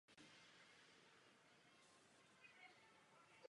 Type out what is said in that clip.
Startoval na pěti olympijských hrách a vytvořil jedenáct světových rekordů.